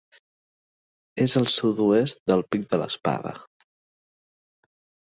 És al sud-oest del Pic de l'Espada.